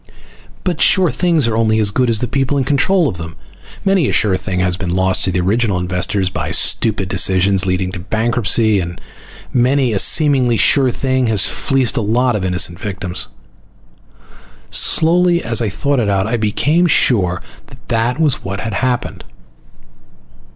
But sure things are only as good as the people in control of them. Many a sure thing has been lost to the original investors by stupid decisions leading to bankruptcy, and many a seemingly sure thing has fleeced a lot of innocent victims. Slowly, as I thought it out, I became sure that that was what had happened.